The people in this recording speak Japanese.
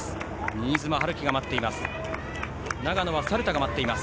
新妻遼己が待っています。